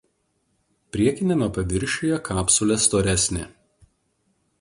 Priekiniame paviršiuje kapsulė storesnė.